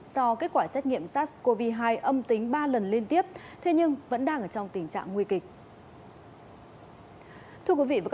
do kết quả xét nghiệm sars cov hai âm tính ba lần liên tiếp thế nhưng vẫn đang ở trong tình trạng nguy kịch